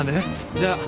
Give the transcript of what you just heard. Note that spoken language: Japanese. じゃあ。